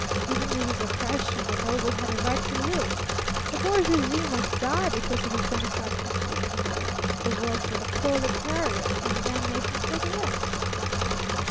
Even with his oppression the noble had a right to live. The bourgeoisie must die because of his benefactions to a people. The world for the proletariat, and damnation for the rest!"